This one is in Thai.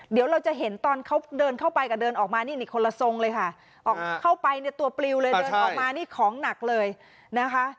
เดี๋ยวเราจะเห็นตอนเขาเดินเข้าไปกับเดินออกมานี่นี่คนละทรงเลยค่ะออกเข้าไปเนี่ยตัวปลิวเลยเดินออกมานี่ของหนักเลยนะคะ